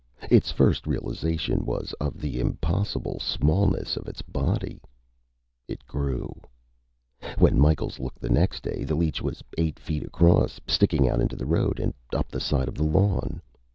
Its first realization was of the impossible smallness of its body. It grew. When Micheals looked the next day, the leech was eight feet across, sticking out into the road and up the side of the lawn.